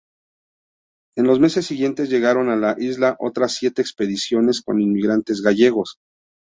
En los meses siguientes llegaron a la isla otras siete expediciones con inmigrantes gallegos.